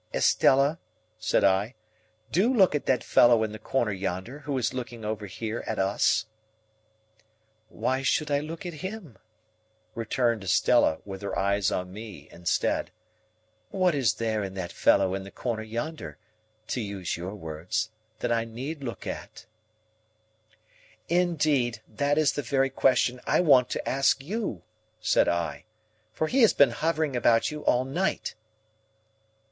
"Estella," said I, "do look at that fellow in the corner yonder, who is looking over here at us." "Why should I look at him?" returned Estella, with her eyes on me instead. "What is there in that fellow in the corner yonder,—to use your words,—that I need look at?" "Indeed, that is the very question I want to ask you," said I. "For he has been hovering about you all night."